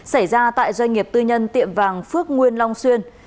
xảy ra tại doanh nghiệp tư nhân tiệm vàng phước nguyên long xuyên